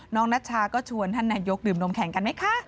นัชชาก็ชวนท่านนายกดื่มนมแข่งกันไหมคะ